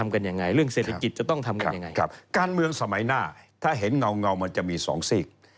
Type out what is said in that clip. การเมืองสมัยหน้าถ้าเห็นเงามันจะมีสองสีก